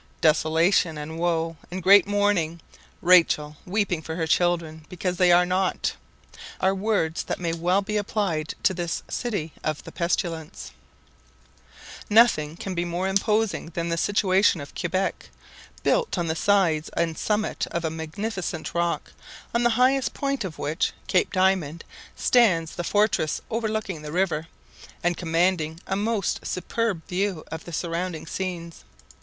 "Desolation and woe and great mourning Rachel weeping for her children because they are not," are words that may well be applied to this city of the pestilence. [Illustration Falls of Montmorenci] Nothing can be more imposing than the situation of Quebec, built on the sides and summit of a magnificent rock, on the highest point of which (Cape Diamond) stands the fortress overlooking the river, and commanding a most superb view of the surrounding scenes.